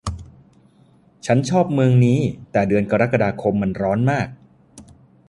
ฉันชอบเมืองนี้แต่เดือนกรกฎาคมมันร้อนมาก